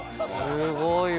すごいわ。